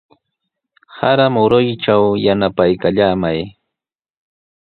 Sara muruytraw yanapaykallamay.